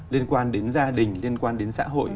liên quan đến gia đình liên quan đến xã hội